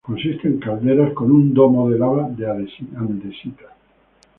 Consiste en calderas con un domo de lava de andesita.